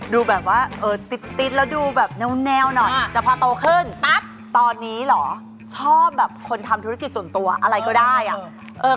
ดูแบบว่าติ๊ดแล้วดูแบบแนวหน่อยแต่พอโตขึ้นปั๊บตอนนี้เหรอชอบแบบคนทำธุรกิจส่วนตัวอะไรก็ได้อ่ะ